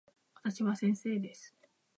私は先生です。